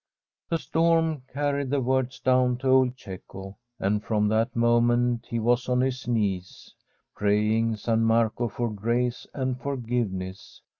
The storm carried the words down to old Cecco, and from that moment he was on his knees, pray* ing San Marco for grace and forgiveness.